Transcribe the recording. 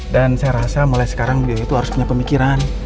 dan saya rasa mulai sekarang bu yoyo itu harus punya pemikiran